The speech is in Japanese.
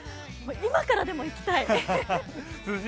今からでも行きたい！